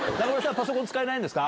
パソコン使えないんですか。